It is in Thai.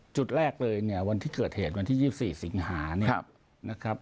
จุดแรกเลยเนี่ยวันที่เกิดเหตุวันที่๒๔สิงหาเนี่ยนะครับ